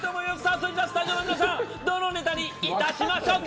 それではスタジオの皆さんどのネタにいたしましょうか！